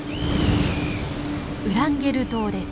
ウランゲル島です。